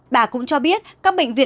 bà cũng cho biết các bệnh viện